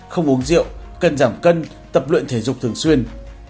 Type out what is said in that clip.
không uống rượu cần giảm cân tập luyện thể dục thường xuyên